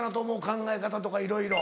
考え方とかいろいろ。